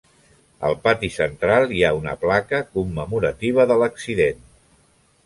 Al pati central hi ha una placa commemorativa de l'accident.